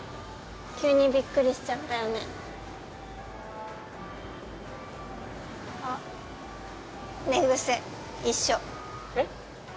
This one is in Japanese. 急にびっくりしちゃったよねあっ寝癖一緒えっ？